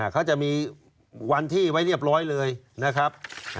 เขาจะมีวันที่ไว้เรียบร้อยเลยนะครับ